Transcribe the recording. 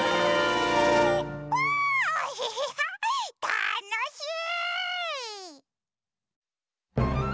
たのしい！